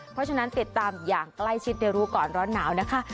เพราะฉะนั้นติดตามอย่างใกล้ชิดในรู้ก่อนร้อนหนาวนะคะ